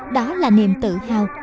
đó là niềm tự hào